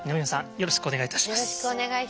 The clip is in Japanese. よろしくお願いします。